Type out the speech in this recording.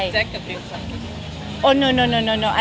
แจ็คกับเต็มสัน